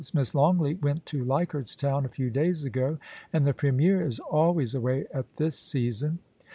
Miss Longleat went to Leichardt^s Town a few days ago, and the Premier is always away at this season.